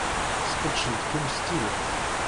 Sqedcent-kem s tidet.